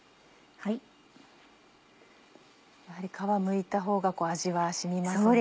やはり皮むいたほうが味は染みますよね。